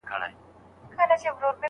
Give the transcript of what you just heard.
خاوندان بايد ظلم ونه کړي.